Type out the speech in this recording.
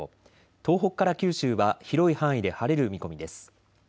東北から九州は広い範囲で晴れる見込みです。